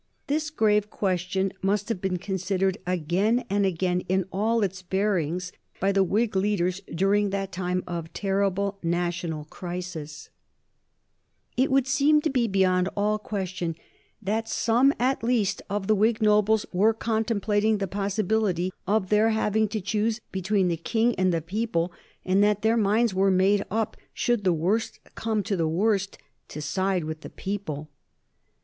This grave question must have been considered again and again in all its bearings by the Whig leaders during that time of terrible national crisis. [Sidenote: 1832 The Whig nobles and the military] It would seem to be beyond all question that some, at least, of the Whig nobles were contemplating the possibility of their having to choose between the King and the people, and that their minds were made up, should the worst come to the worst, to side with the people.